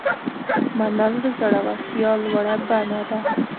منل د زړورتیا لوړه بڼه ده.